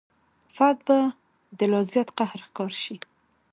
فرد به د لا زیات قهر ښکار شي.